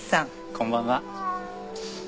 こんばんは